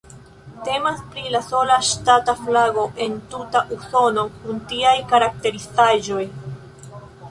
Temas pri la sola ŝtata flago en tuta Usono kun tiaj karakterizaĵoj.